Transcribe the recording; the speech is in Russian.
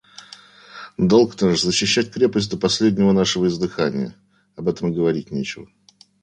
– Долг наш защищать крепость до последнего нашего издыхания; об этом и говорить нечего.